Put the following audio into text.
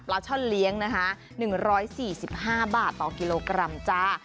ช่อนเลี้ยงนะคะ๑๔๕บาทต่อกิโลกรัมจ้า